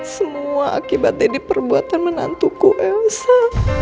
semua akibat jadi perbuatan menantuku elsa